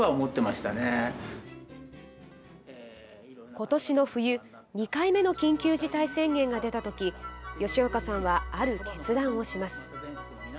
ことしの冬、２回目の緊急事態宣言が出たとき吉岡さんはある決断をします。